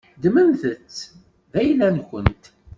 Ddmemt-t d ayla-nkent.